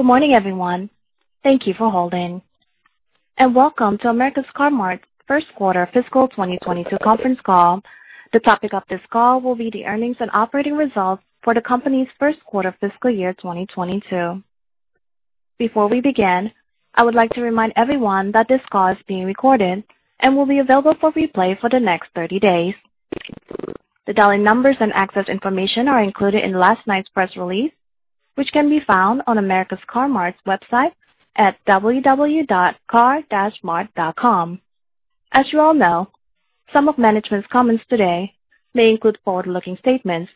Good morning, everyone. Thank you for holding, and welcome to America's Car-Mart first quarter fiscal 2022 conference call. The topic of this call will be the earnings and operating results for the company's first quarter fiscal year 2022. Before we begin, I would like to remind everyone that this call is being recorded and will be available for replay for the next 30 days. The dialing numbers and access information are included in last night's press release, which can be found on America's Car-Mart's website at www.car-mart.com. As you all know, some of management's comments today may include forward-looking statements,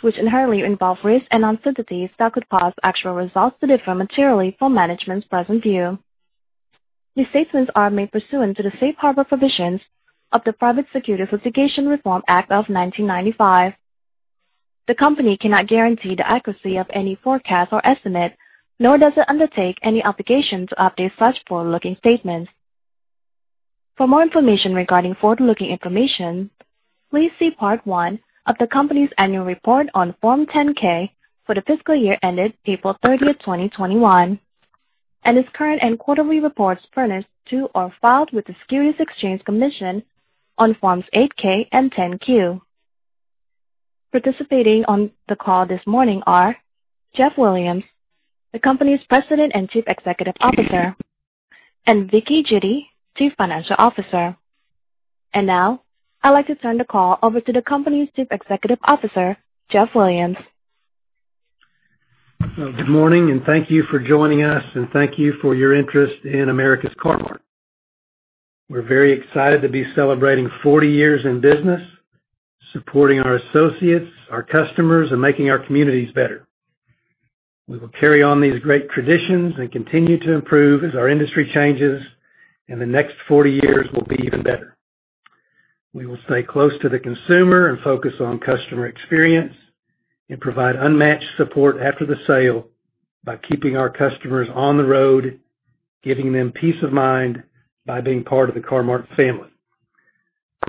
which inherently involve risks and uncertainties that could cause actual results to differ materially from management's present view. These statements are made pursuant to the Safe Harbor provisions of the Private Securities Litigation Reform Act of 1995. The company cannot guarantee the accuracy of any forecast or estimate, nor does it undertake any obligation to update such forward-looking statements. For more information regarding forward-looking information, please see Part One of the company's annual report on Form 10-K for the fiscal year ended April 30th, 2021, and its current and quarterly reports furnished to or filed with the Securities and Exchange Commission on Forms 8-K and 10-Q. Participating on the call this morning are Jeff Williams, the company's President and Chief Executive Officer, and Vickie Judy, Chief Financial Officer. Now, I'd like to turn the call over to the company's Chief Executive Officer, Jeff Williams. Good morning, and thank you for joining us, and thank you for your interest in America's Car-Mart. We're very excited to be celebrating 40 years in business, supporting our associates, our customers, and making our communities better. We will carry on these great traditions and continue to improve as our industry changes. The next 40 years will be even better. We will stay close to the consumer and focus on customer experience, and provide unmatched support after the sale by keeping our customers on the road, giving them peace of mind by being part of the Car-Mart family.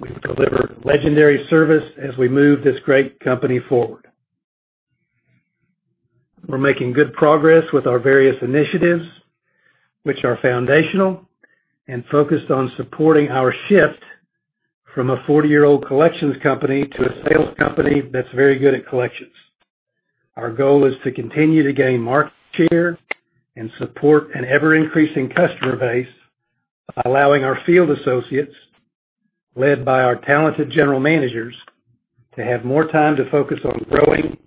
We will deliver legendary service as we move this great company forward. We're making good progress with our various initiatives, which are foundational and focused on supporting our shift from a 40-year-old collections company to a sales company that's very good at collections. Our goal is to continue to gain market share and support an ever-increasing customer base by allowing our field associates, led by our talented general managers, to have more time to focus on growing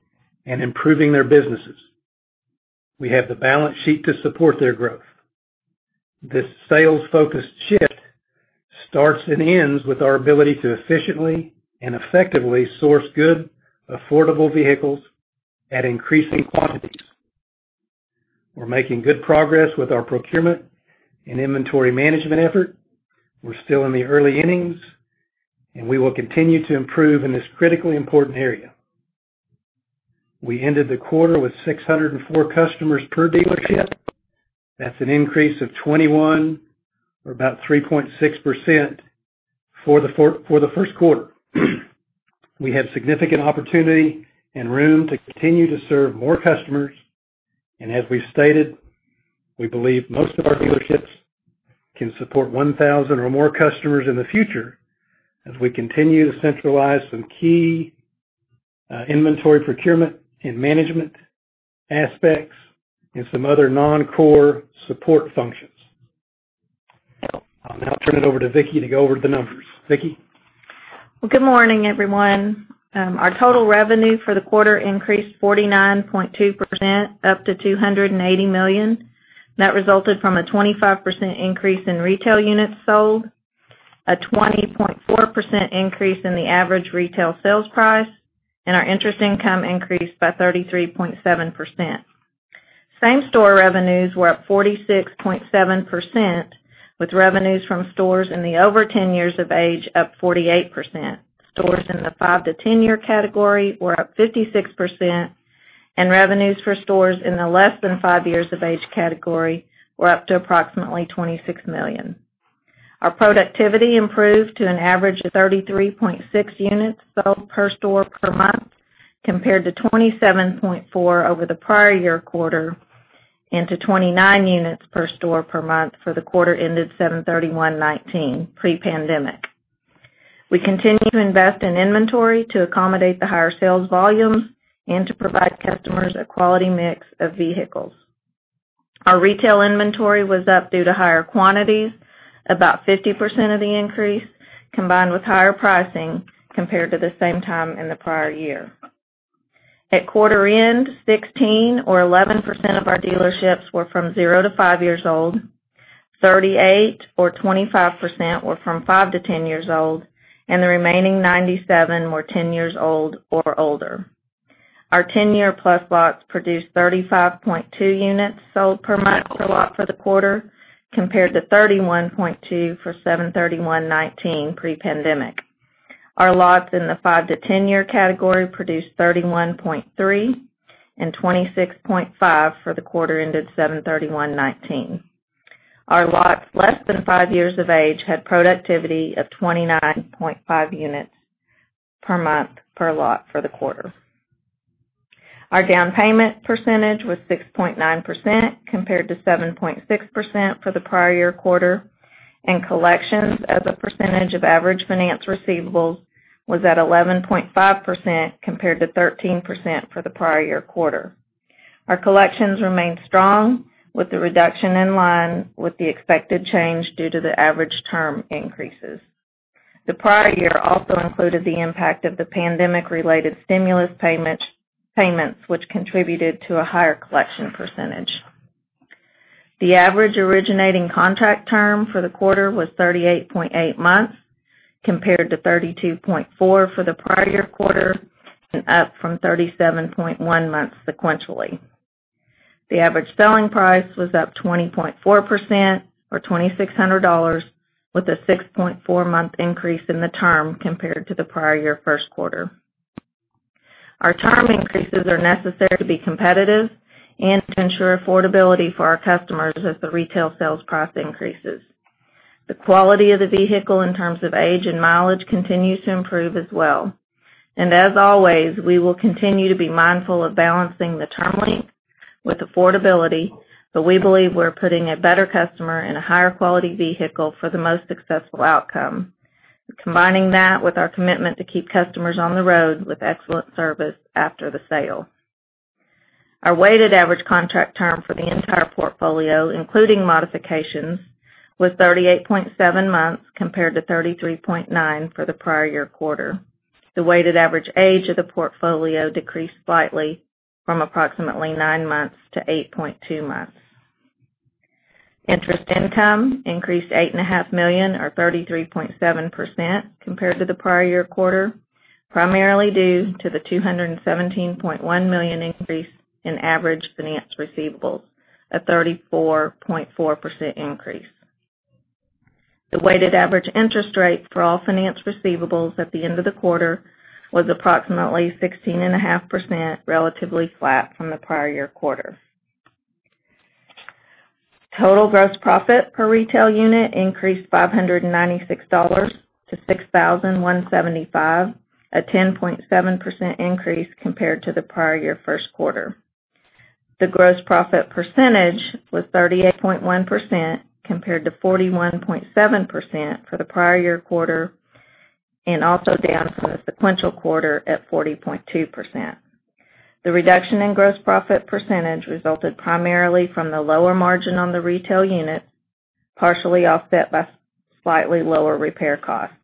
and improving their businesses. We have the balance sheet to support their growth. This sales-focused shift starts and ends with our ability to efficiently and effectively source good, affordable vehicles at increasing quantities. We're making good progress with our procurement and inventory management effort. We're still in the early innings, and we will continue to improve in this critically important area. We ended the quarter with 604 customers per dealership. That's an increase of 21 or about 3.6% for the first quarter. We have significant opportunity and room to continue to serve more customers. As we stated, we believe most of our dealerships can support 1,000 or more customers in the future as we continue to centralize some key inventory procurement and management aspects and some other non-core support functions. I'll now turn it over to Vickie to go over the numbers. Vickie? Well, good morning, everyone. Our total revenue for the quarter increased 49.2%, up to $280 million. That resulted from a 25% increase in retail units sold, a 20.4% increase in the average retail sales price, and our interest income increased by 33.7%. Same-store revenues were up 46.7%, with revenues from stores in the over 10 years of age up 48%. Stores in the 5-10 year category were up 56%, and revenues for stores in the less than five years of age category were up to approximately $26 million. Our productivity improved to an average of 33.6 units sold per store per month, compared to 27.4 over the prior year quarter and to 29 units per store per month for the quarter ended 7/31/2019, pre-pandemic. We continue to invest in inventory to accommodate the higher sales volumes and to provide customers a quality mix of vehicles. Our retail inventory was up due to higher quantities, about 50% of the increase, combined with higher pricing compared to the same time in the prior year. At quarter end, 16 or 11% of our dealerships were from zero to five years old, 38 or 25% were from 5-10 years old, and the remaining 97 were 10 years old or older. Our 10-year-plus lots produced 35.2 units sold per month per lot for the quarter, compared to 31.2 for 7/31/2019 pre-pandemic. Our lots in the 5 to 10-year category produced 31.3 and 26.5 for the quarter ended 7/31/2019. Our lots less than five years of age had productivity of 29.5 units per month, per lot for the quarter. Our down payment percentage was 6.9%, compared to 7.6% for the prior year quarter, and collections as a percentage of average finance receivables was at 11.5%, compared to 13% for the prior year quarter. Our collections remained strong with the reduction in line with the expected change due to the average term increases. The prior year also included the impact of the pandemic-related stimulus payments, which contributed to a higher collection percentage. The average originating contract term for the quarter was 38.8 months, compared to 32.4 for the prior year quarter, and up from 37.1 months sequentially. The average selling price was up 20.4%, or $2,600, with a 6.4-month increase in the term compared to the prior year first quarter. Our term increases are necessary to be competitive and to ensure affordability for our customers as the retail sales price increases. The quality of the vehicle in terms of age and mileage continues to improve as well. As always, we will continue to be mindful of balancing the term length with affordability, but we believe we're putting a better customer in a higher quality vehicle for the most successful outcome. Combining that with our commitment to keep customers on the road with excellent service after the sale. Our weighted average contract term for the entire portfolio, including modifications, was 38.7 months compared to 33.9 for the prior year quarter. The weighted average age of the portfolio decreased slightly from approximately 9 months to 8.2 months. Interest income increased $8.5 million or 33.7% compared to the prior year quarter, primarily due to the $217.1 million increase in average finance receivables, a 34.4% increase. The weighted average interest rate for all finance receivables at the end of the quarter was approximately 16.5%, relatively flat from the prior year quarter. Total gross profit per retail unit increased $596 to $6,175, a 10.7% increase compared to the prior year first quarter. The gross profit percentage was 38.1% compared to 41.7% for the prior year quarter, and also down from the sequential quarter at 40.2%. The reduction in gross profit percentage resulted primarily from the lower margin on the retail units, partially offset by slightly lower repair costs.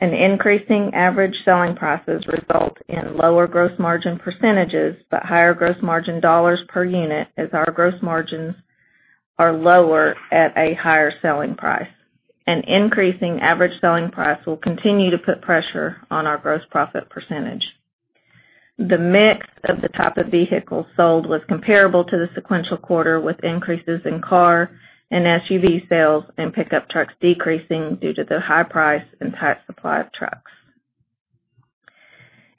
Increasing average selling prices result in lower gross margin percentages, but higher gross margin dollars per unit as our gross margins are lower at a higher selling price. An increasing average selling price will continue to put pressure on our gross profit percentage. The mix of the type of vehicles sold was comparable to the sequential quarter, with increases in car and SUV sales and pickup trucks decreasing due to the high price and tight supply of trucks.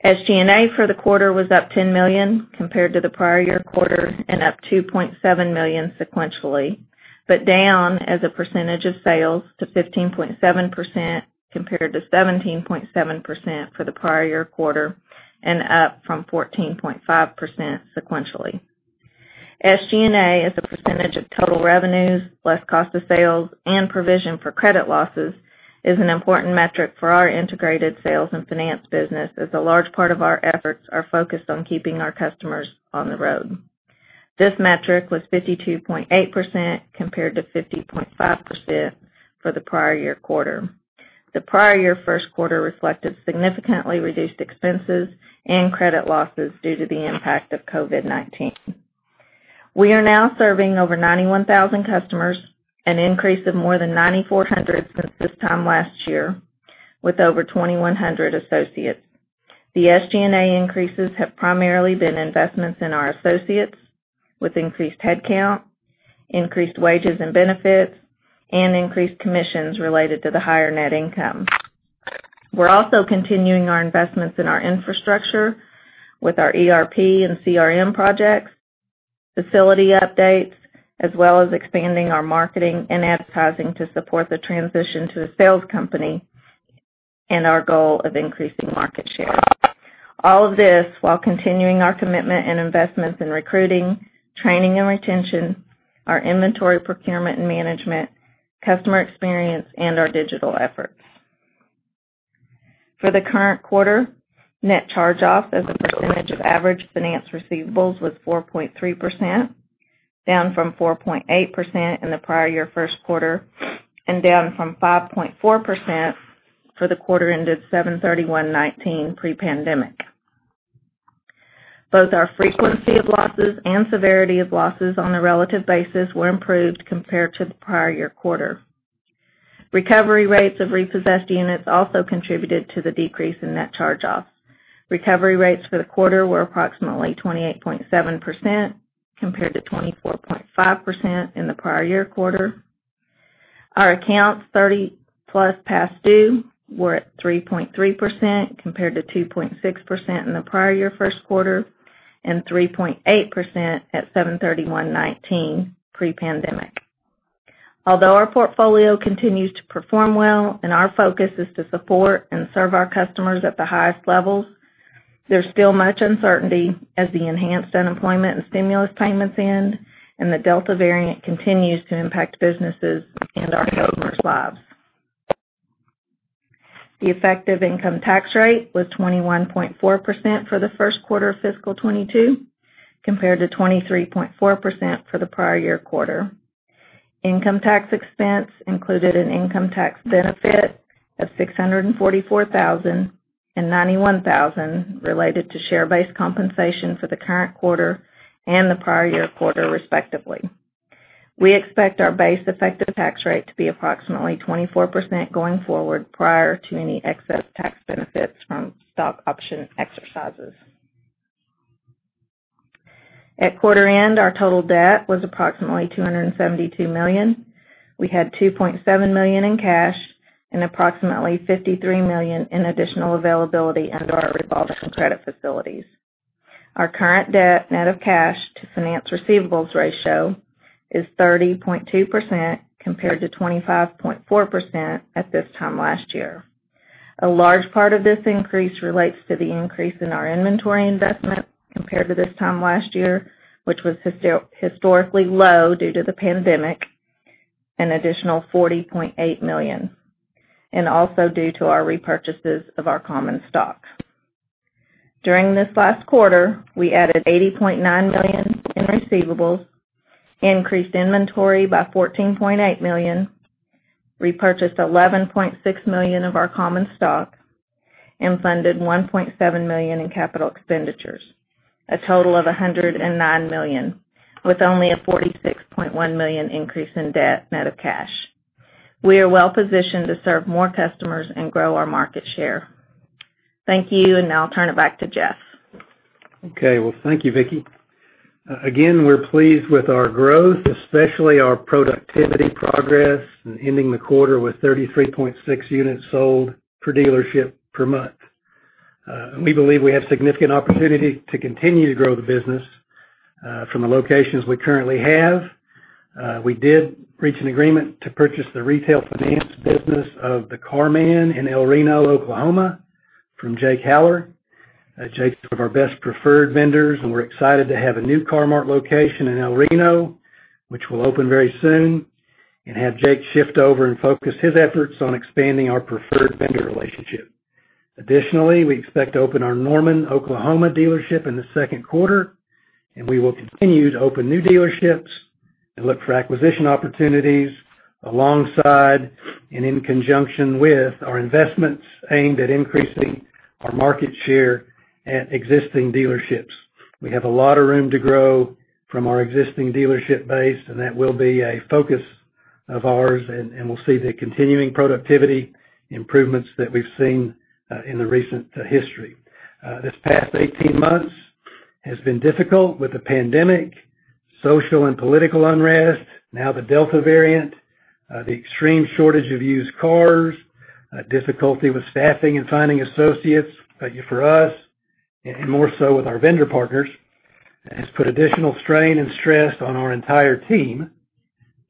SG&A for the quarter was up $10 million compared to the prior year quarter and up $2.7 million sequentially, but down as a percentage of sales to 15.7% compared to 17.7% for the prior year quarter and up from 14.5% sequentially. SG&A as a percentage of total revenues, plus cost of sales and provision for credit losses, is an important metric for our integrated sales and finance business, as a large part of our efforts are focused on keeping our customers on the road. This metric was 52.8% compared to 50.5% for the prior year quarter. The prior year first quarter reflected significantly reduced expenses and credit losses due to the impact of COVID-19. We are now serving over 91,000 customers, an increase of more than 9,400 since this time last year, with over 2,100 associates. The SG&A increases have primarily been investments in our associates with increased headcount, increased wages and benefits, and increased commissions related to the higher net income. We're also continuing our investments in our infrastructure with our ERP and CRM projects, facility updates, as well as expanding our marketing and advertising to support the transition to the sales company and our goal of increasing market share. All of this while continuing our commitment and investments in recruiting, training, and retention, our inventory procurement and management, customer experience, and our digital efforts. For the current quarter, net charge-off as a percentage of average finance receivables was 4.3%, down from 4.8% in the prior year first quarter, and down from 5.4% for the quarter ended 7/31/2019 pre-pandemic. Both our frequency of losses and severity of losses on a relative basis were improved compared to the prior year quarter. Recovery rates of repossessed units also contributed to the decrease in net charge-offs. Recovery rates for the quarter were approximately 28.7% compared to 24.5% in the prior year quarter. Our accounts 30+ past due were at 3.3% compared to 2.6% in the prior year first quarter, and 3.8% at 7/31/2019 pre-pandemic. Although our portfolio continues to perform well and our focus is to support and serve our customers at the highest level, there's still much uncertainty as the enhanced unemployment and stimulus payments end and the Delta variant continues to impact businesses and our customers' lives. The effective income tax rate was 21.4% for the first quarter of fiscal 2022, compared to 23.4% for the prior year quarter. Income tax expense included an income tax benefit of $644,000 and $91,000 related to share-based compensation for the current quarter and the prior year quarter, respectively. We expect our base effective tax rate to be approximately 24% going forward, prior to any excess tax benefits from stock option exercises. At quarter end, our total debt was approximately $272 million. We had $2.7 million in cash and approximately $53 million in additional availability under our revolving credit facilities. Our current debt net of cash to finance receivables ratio is 30.2%, compared to 25.4% at this time last year. A large part of this increase relates to the increase in our inventory investment compared to this time last year, which was historically low due to the pandemic, an additional $40.8 million, and also due to our repurchases of our common stock. During this last quarter, we added $80.9 million in receivables, increased inventory by $14.8 million, repurchased $11.6 million of our common stock, and funded $1.7 million in capital expenditures. A total of $109 million, with only a $46.1 million increase in debt net of cash. We are well-positioned to serve more customers and grow our market share. Thank you, and now I'll turn it back to Jeff. Okay. Well, thank you, Vickie. Again, we're pleased with our growth, especially our productivity progress and ending the quarter with 33.6 units sold per dealership per month. We believe we have significant opportunity to continue to grow the business from the locations we currently have. We did reach an agreement to purchase the retail finance business of The Car Man in El Reno, Oklahoma, from Jake Haller. Jake is one of our best preferred vendors, and we're excited to have a new Car-Mart location in El Reno, which will open very soon, and have Jake shift over and focus his efforts on expanding our preferred vendor relationship. Additionally, we expect to open our Norman, Oklahoma, dealership in the second quarter, and we will continue to open new dealerships and look for acquisition opportunities alongside and in conjunction with our investments aimed at increasing our market share at existing dealerships. We have a lot of room to grow from our existing dealership base, and that will be a focus of ours, and we'll see the continuing productivity improvements that we've seen in the recent history. This past 18 months has been difficult with the pandemic, social and political unrest, now the Delta variant, the extreme shortage of used cars, difficulty with staffing and finding associates for us, and more so with our vendor partners, has put additional strain and stress on our entire team.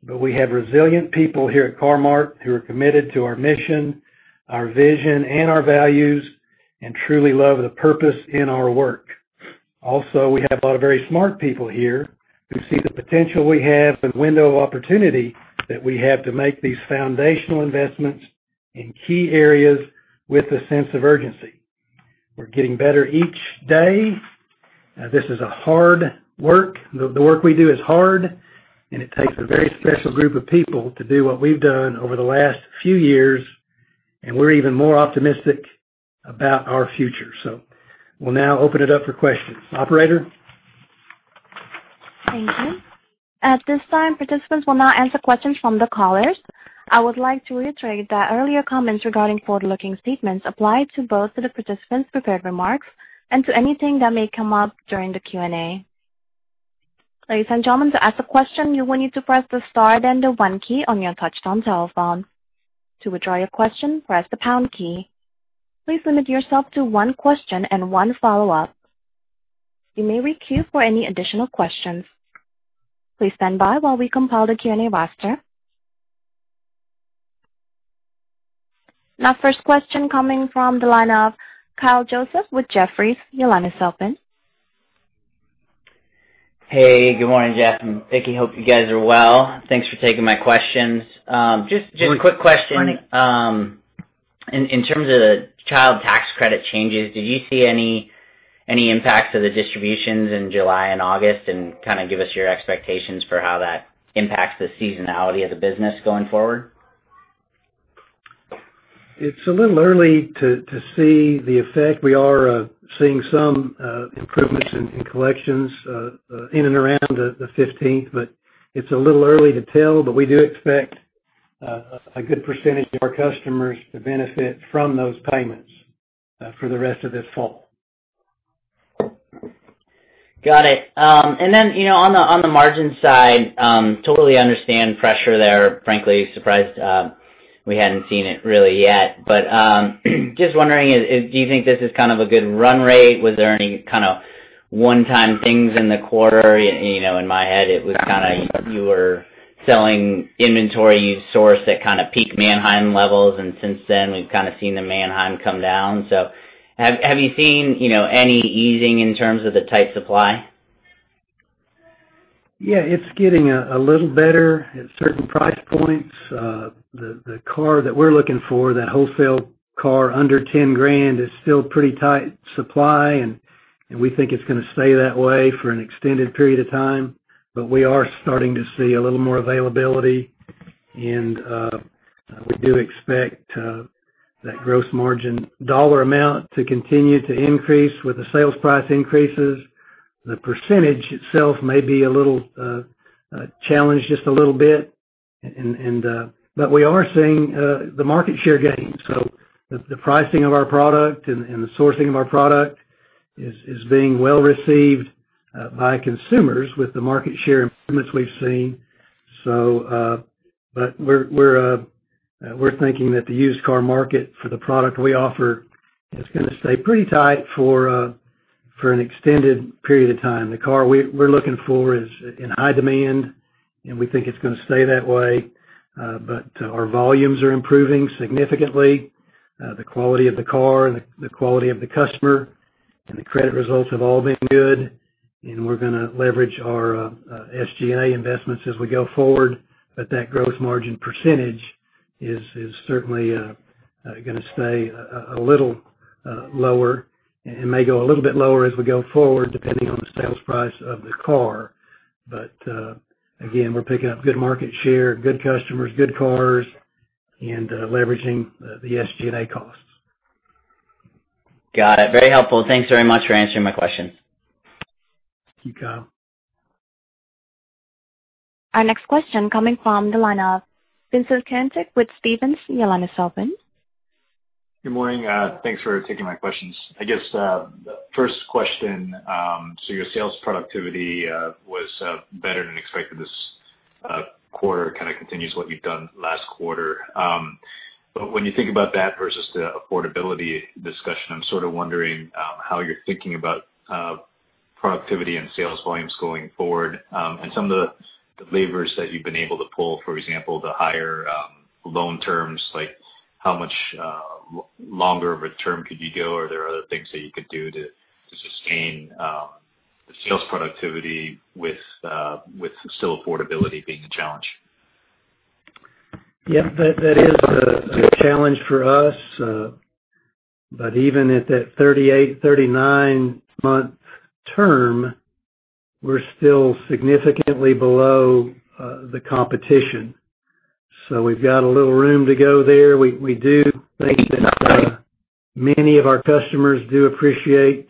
We have resilient people here at Car-Mart who are committed to our mission, our vision, and our values, and truly love the purpose in our work. We have a lot of very smart people here who see the potential we have, the window of opportunity that we have to make these foundational investments in key areas with a sense of urgency. We're getting better each day. This is a hard work. The work we do is hard, and it takes a very special group of people to do what we've done over the last few years, and we're even more optimistic about our future. We'll now open it up for questions. Operator? Thank you. At this time, participants will now answer questions from the callers. I would like to reiterate that earlier comments regarding forward-looking statements apply to both to the participants' prepared remarks and to anything that may come up during the Q&A. Ladies and gentlemen, to ask a question, you will need to press the star then the one key on your touchtone telephone. To withdraw your question, press the pound key. Please limit yourself to one question and one follow-up. You may re-queue for any additional questions. Our first question coming from the line of Kyle Joseph with Jefferies. Your line is open. Hey, good morning, Jeff and Vickie. Hope you guys are well. Thanks for taking my questions. Good morning. Just a quick question. In terms of the child tax credit changes, did you see any impacts of the distributions in July and August, and kind of give us your expectations for how that impacts the seasonality of the business going forward? It's a little early to see the effect. We are seeing some improvements in collections in and around the 15th, but it's a little early to tell. We do expect a good percentage of our customers to benefit from those payments for the rest of this fall. Got it. Then, on the margin side, totally understand pressure there. Frankly, surprised we hadn't seen it really yet. Just wondering, do you think this is kind of a good run rate? Was there any kind of one-time things in the quarter? In my head, it was kind of you were selling inventory you sourced at kind of peak Manheim levels, and since then, we've kind of seen the Manheim come down. Have you seen any easing in terms of the tight supply? Yeah, it's getting a little better at certain price points. The car that we're looking for, that wholesale car under 10 grand, is still pretty tight supply. We think it's going to stay that way for an extended period of time. We are starting to see a little more availability, and we do expect that gross margin dollar amount to continue to increase with the sales price increases. The percentage itself may be a little challenged just a little bit. We are seeing the market share gains. The pricing of our product and the sourcing of our product is being well-received by consumers with the market share improvements we've seen. We're thinking that the used car market for the product we offer is going to stay pretty tight for an extended period of time. The car we're looking for is in high demand. We think it's going to stay that way. Our volumes are improving significantly. The quality of the car, the quality of the customer, and the credit results have all been good, and we're going to leverage our SG&A investments as we go forward. That gross margin percentage is certainly going to stay a little lower, and may go a little bit lower as we go forward, depending on the sales price of the car. Again, we're picking up good market share, good customers, good cars, and leveraging the SG&A costs. Got it. Very helpful. Thanks very much for answering my question. Thank you, Kyle. Our next question coming from the line of Vincent Caintic with Stephens. Your line is open. Good morning. Thanks for taking my questions. First question, your sales productivity was better than expected this quarter, kind of continues what you've done last quarter. When you think about that versus the affordability discussion, I'm wondering how you're thinking about productivity and sales volumes going forward. Some of the levers that you've been able to pull, for example, the higher loan terms, how much longer of a term could you go? Are there other things that you could do to sustain the sales productivity with still affordability being a challenge? Yeah, that is a challenge for us. Even at that 38, 39-month term, we're still significantly below the competition. We've got a little room to go there. We do think that many of our customers do appreciate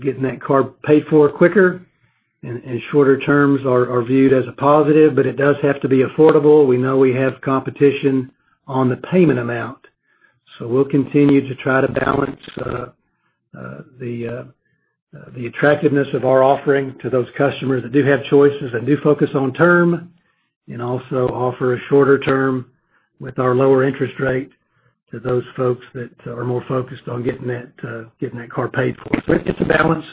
getting that car paid for quicker, and shorter terms are viewed as a positive, but it does have to be affordable. We know we have competition on the payment amount. We'll continue to try to balance the attractiveness of our offering to those customers that do have choices and do focus on term, and also offer a shorter term with our lower interest rate to those folks that are more focused on getting that car paid for. It's a balance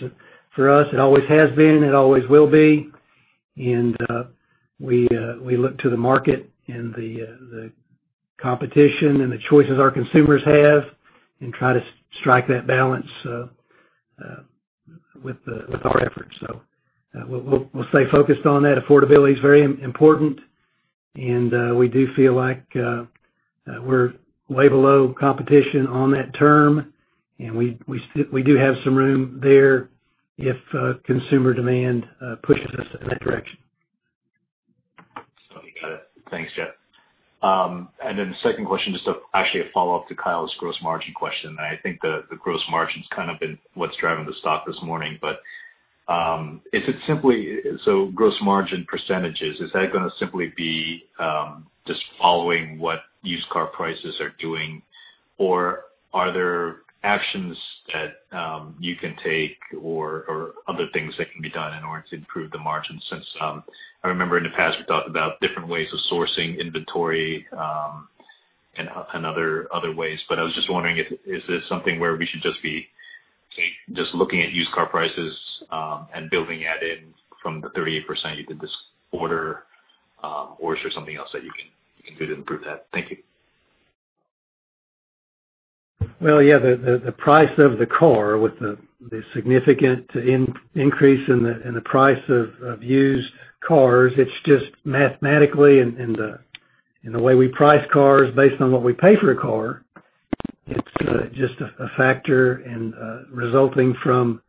for us. It always has been, it always will be. We look to the market and the competition and the choices our consumers have and try to strike that balance with our efforts. We'll stay focused on that. Affordability is very important, and we do feel like we're way below competition on that term, and we do have some room there if consumer demand pushes us in that direction. Got it. Thanks, Jeff. The second question, just actually a follow-up to Kyle's gross margin question. I think the gross margin's kind of been what's driving the stock this morning. Gross margin percentages, is that going to simply be just following what used car prices are doing? Are there actions that you can take or other things that can be done in order to improve the margin? Since I remember in the past, we talked about different ways of sourcing inventory and other ways. I was just wondering, is this something where we should just be just looking at used car prices and building that in from the 38% you could order? Is there something else that you can do to improve that? Thank you. Well, yeah, the price of the car with the significant increase in the price of used cars, it's just mathematically in the way we price cars based on what we pay for a car. It's just a factor in resulting from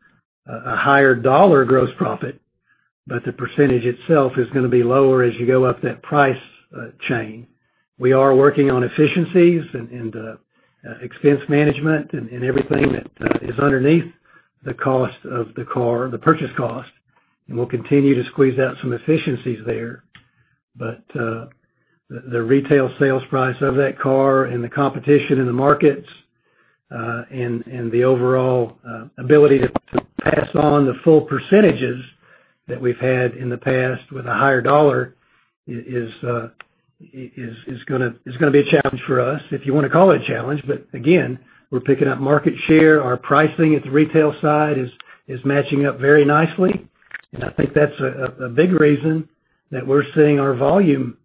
a higher dollar gross profit, but the percentage itself is going to be lower as you go up that price chain. We are working on efficiencies and the expense management and everything that is underneath the cost of the car, the purchase cost, and we'll continue to squeeze out some efficiencies there. The retail sales price of that car and the competition in the markets and the overall ability to pass on the full percentages that we've had in the past with a higher dollar is going to be a challenge for us, if you want to call it a challenge. Again, we're picking up market share. Our pricing at the retail side is matching up very nicely. I think that's a big reason that we're seeing our volume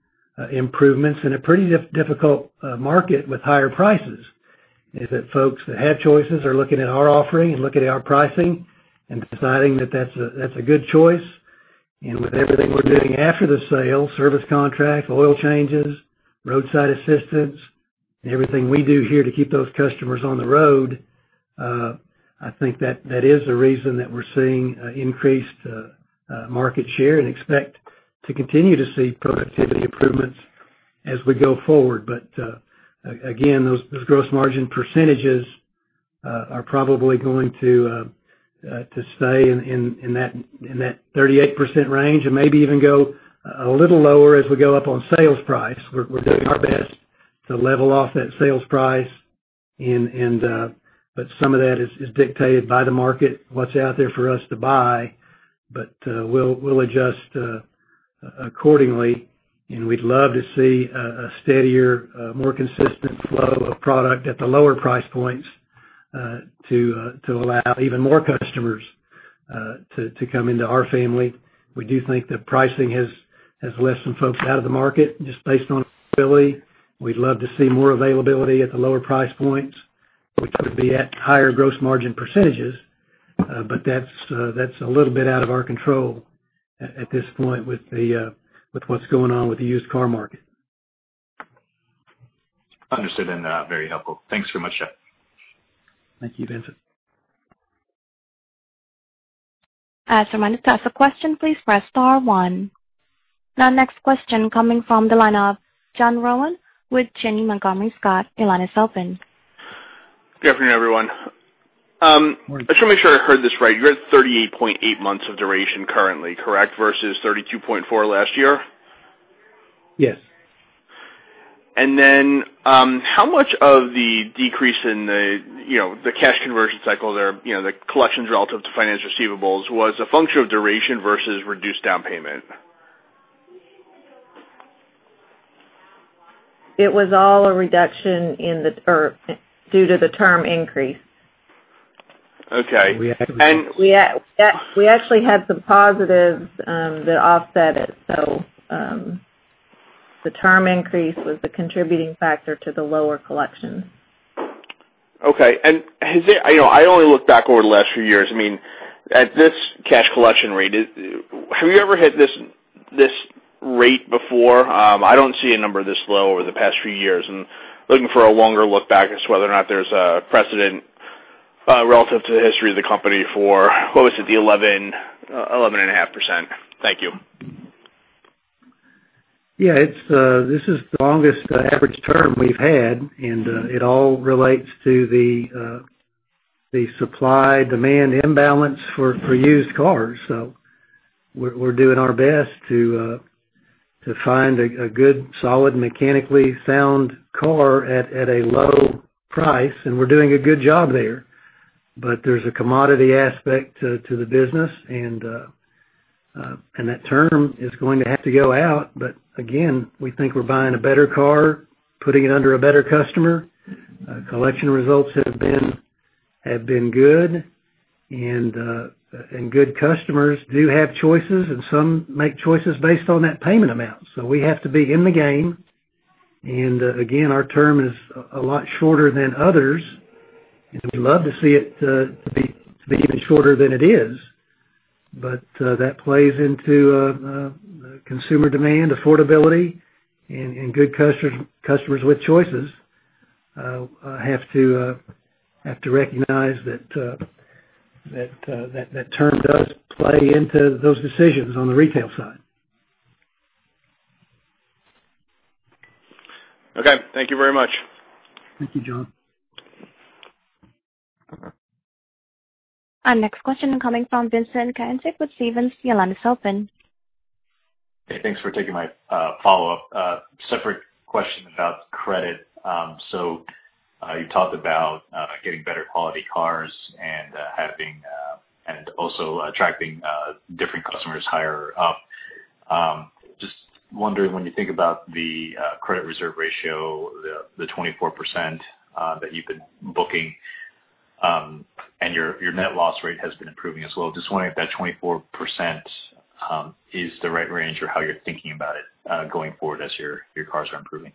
improvements in a pretty difficult market with higher prices, is that folks that have choices are looking at our offering and looking at our pricing and deciding that that's a good choice. With everything we're doing after the sale, service contract, oil changes, roadside assistance, and everything we do here to keep those customers on the road, I think that is a reason that we're seeing increased market share and expect to continue to see productivity improvements as we go forward. Again, those gross margin percentages are probably going to stay in that 38% range and maybe even go a little lower as we go up on sales price. We're doing our best to level off that sales price, but some of that is dictated by the market, what's out there for us to buy. But we'll adjust accordingly, and we'd love to see a steadier, more consistent flow of product at the lower price points to allow even more customers to come into our family. We do think that pricing has lessened folks out of the market just based on availability. We'd love to see more availability at the lower price points, which would be at higher gross margin percentages. But that's a little bit out of our control at this point with what's going on with the used car market. Understood, and very helpful. Thanks very much, Jeff. Thank you, Vincent. As a reminder, to ask a question, please press star one. Next question coming from the line of John Rowan with Janney Montgomery Scott. Your line is open. Good afternoon, everyone. Morning. I just want to make sure I heard this right. You're at 38.8 months of duration currently, correct? Versus 32.4 last year? Yes. How much of the decrease in the cash conversion cycle there, the collections relative to finance receivables, was a function of duration versus reduced down payment? It was all a reduction due to the term increase. Okay. We actually had some positives that offset it, so the term increase was the contributing factor to the lower collection. Okay. I only look back over the last few years. I mean, at this cash collection rate, have you ever hit this rate before? I don't see a number this low over the past few years, and looking for a longer look back as to whether or not there's a precedent relative to the history of the company for, what was it, the 11.5%. Thank you. Yeah. This is the longest average term we've had, and it all relates to the supply-demand imbalance for used cars. We're doing our best to find a good, solid, mechanically sound car at a low price, and we're doing a good job there. There's a commodity aspect to the business, and that term is going to have to go out. Again, we think we're buying a better car, putting it under a better customer. Collection results have been good, and good customers do have choices, and some make choices based on that payment amount. We have to be in the game. Again, our term is a lot shorter than others, and we'd love to see it be even shorter than it is. That plays into consumer demand affordability, and good customers with choices have to recognize that term does play into those decisions on the retail side. Okay. Thank you very much. Thank you, John. Our next question coming from Vincent Caintic with Stephens. Your line is open. Hey, thanks for taking my follow-up. A separate question about credit. You talked about getting better quality cars and also attracting different customers higher up. Just wondering when you think about the credit reserve ratio, the 24% that you've been booking, and your net loss rate has been improving as well. Just wondering if that 24% is the right range or how you're thinking about it going forward as your cars are improving?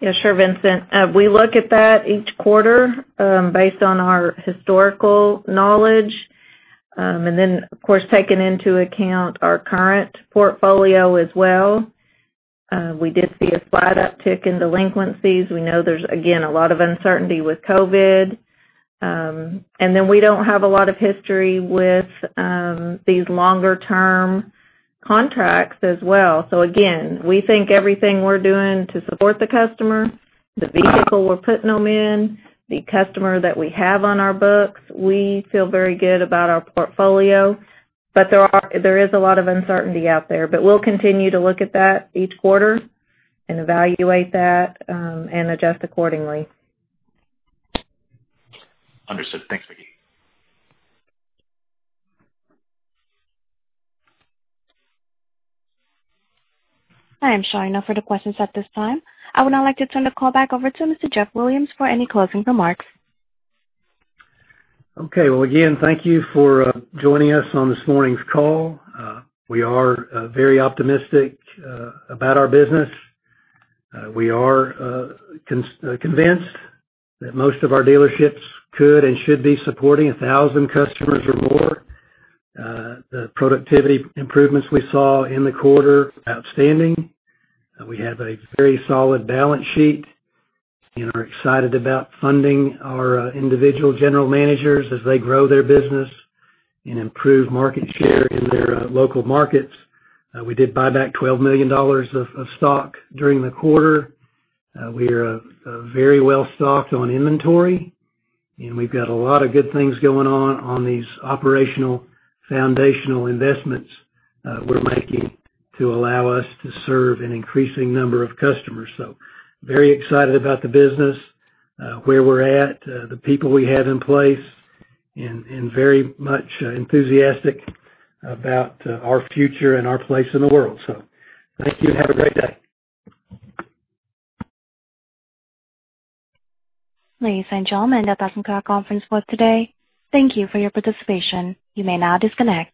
Yeah, sure, Vincent. We look at that each quarter based on our historical knowledge. Of course, taking into account our current portfolio as well. We did see a slight uptick in delinquencies. We know there's, again, a lot of uncertainty with COVID. We don't have a lot of history with these longer-term contracts as well. We think everything we're doing to support the customer, the vehicle we're putting them in, the customer that we have on our books, we feel very good about our portfolio. There is a lot of uncertainty out there. We'll continue to look at that each quarter and evaluate that, and adjust accordingly. Understood. Thanks, Vickie. I am showing no further questions at this time. I would now like to turn the call back over to Mr. Jeff Williams for any closing remarks. Okay. Well, again, thank you for joining us on this morning's call. We are very optimistic about our business. We are convinced that most of our dealerships could and should be supporting 1,000 customers or more. The productivity improvements we saw in the quarter, outstanding. We have a very solid balance sheet and are excited about funding our individual general managers as they grow their business and improve market share in their local markets. We did buy back $12 million of stock during the quarter. We are very well-stocked on inventory, and we've got a lot of good things going on on these operational foundational investments we're making to allow us to serve an increasing number of customers. Very excited about the business, where we're at, the people we have in place, and very much enthusiastic about our future and our place in the world. Thank you and have a great day. Ladies and gentlemen, that does conclude our conference for today. Thank you for your participation. You may now disconnect.